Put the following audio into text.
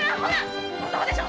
男でしょ